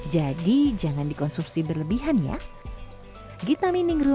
jadi jangan dikonsumsi berlebihan ya